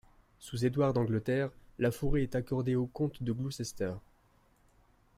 Sous Édouard d'Angleterre, la forêt est accordée au comte de Gloucester.